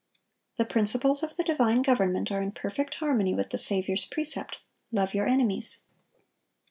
The principles of the divine government are in perfect harmony with the Saviour's precept, "Love your enemies."